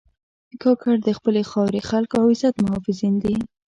کاکړ د خپلې خاورې، خلکو او عزت محافظین دي.